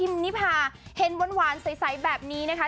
แก้มบุ๋มพิมพ์นิพาเห็นวานใสแบบนี้นะคะ